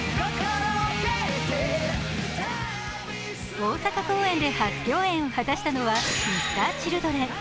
大阪公演で初共演を果たしたのはＭｒ．Ｃｈｉｌｄｒｅｎ。